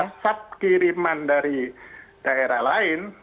asap kiriman dari daerah lain